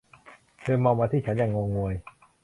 เธอมองมาที่ฉัน อย่างงงงวย